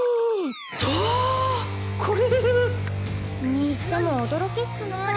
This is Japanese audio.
にしても驚きっスね。